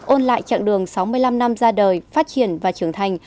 ôn lại chặng đường sáu mươi năm năm ra đời phát triển và trưởng thành